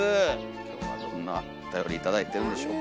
今日はどんなおたより頂いてるんでしょうか。